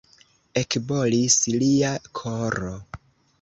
Ekbolis lia koro.